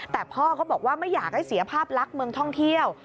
แต่พ่อก็บอกว่าไม่อยากให้เสียภาพลักษณ์เมืองท่องเที่ยว